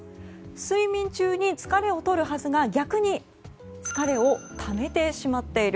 睡眠中に疲れをとるはずが逆に疲れをためてしまっている。